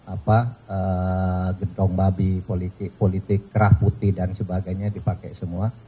apa gentong babi politik kerah putih dan sebagainya dipakai semua